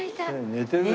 寝てる。